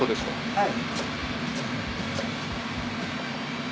はい。